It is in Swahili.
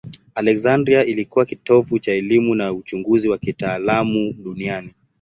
Aleksandria ilikuwa kitovu cha elimu na uchunguzi wa kitaalamu duniani.